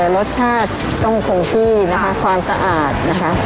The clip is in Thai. รสชาติต้องคงที่นะคะความสะอาดนะคะ